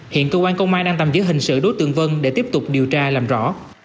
hiện cơ quan công an đang tạm giữ hình sự đối tượng vân để tiếp tục điều tra làm rõ